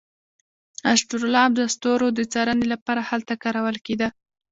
اسټرولاب د ستورو د څارنې لپاره هلته کارول کیده.